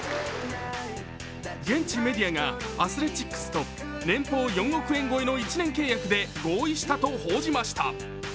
現地メディアがアスレチックスと年俸４億円超えの１年契約で合意したと報じました。